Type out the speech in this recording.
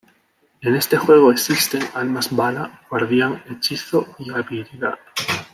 En este juego existen Almas bala, guardian, hechizo y habilidad.